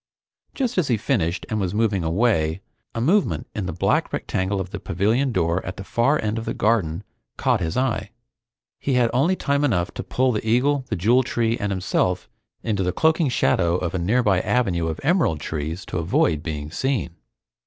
Just as he finished and was moving away, a movement in the black rectangle of the pavilion door at the far end of the garden caught his eye. He had only time enough to pull the eagle, the Jewel Tree, and himself into the cloaking shadow of a nearby avenue of emerald trees to avoid being seen.